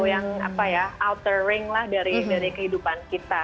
yang apa ya outering lah dari kehidupan kita